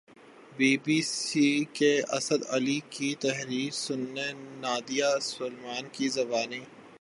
be B C کے اسد علی کی تحریر سنیے نادیہ سلیمان کی زبانی